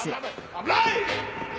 危ない！